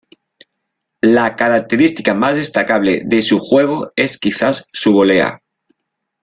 La característica más destacable de su juego es quizás su volea.